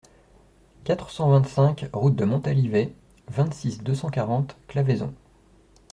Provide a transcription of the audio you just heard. quatre cent vingt-cinq route de Montalivet, vingt-six, deux cent quarante, Claveyson